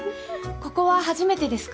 ここは初めてですか？